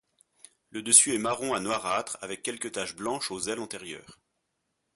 Le dessus est marron à noirâtre avec quelques taches blanches aux ailes antérieures.